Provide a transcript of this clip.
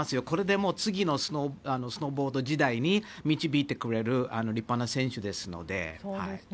これで次のスノーボード時代に導いてくれる立派な選手ですので。